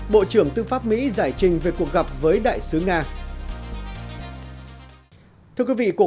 bộ trưởng tư pháp mỹ giải trình về cuộc gặp với đại sứ nga